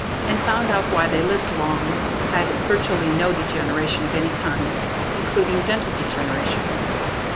And found out why they lived long, had virtually no degeneration of any kind including dental degeneration.